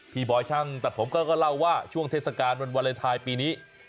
บอยช่างตัดผมก็เล่าว่าช่วงเทศกาลวันวาเลนไทยปีนี้